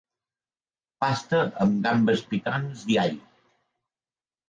Pasta amb gambes picants i all.